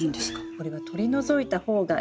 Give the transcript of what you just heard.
これは取り除いた方がいいです。